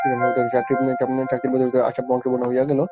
চকিতের মধ্যে আশার মুখ পাংশুবর্ণ হইয়া গেল।